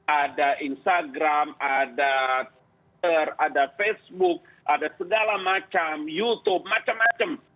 ada instagram ada twitter ada facebook ada segala macam youtube macam macam